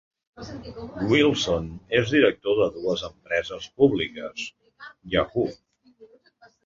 Wilson és director de dues empreses públiques: Yahoo!